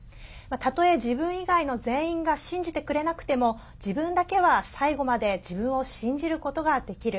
たとえ自分以外の全員が信じてくれなくても自分だけは最後まで自分を信じることができる。